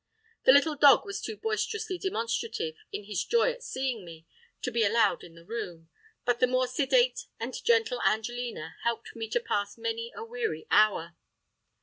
The little dog was too boisterously demonstrative, in his joy at seeing me, to be allowed in the room; but the more sedate and gentle Angelina helped me to pass many a weary hour.